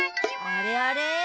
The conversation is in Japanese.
あれあれ？